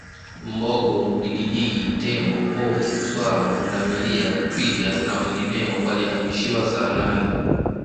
mbogo digidigi tembo pofu swala pundamilia twiga na wengineo walihamishiwa saanane